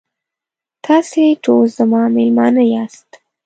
تاسې ټول زما میلمانه یاست.